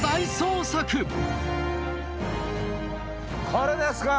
これですか！